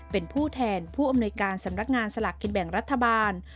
เป็นผู้แทนผู้อำนวยการสำนักงานสลากกินแบ่งรัฐบาล